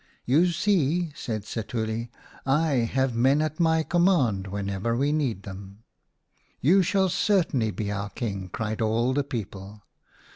" You see," said Setuli, " I have men at my command whenever we need them." " You shall certainly be our King," cried all the people.